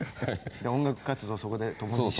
音楽活動をそこで共にし。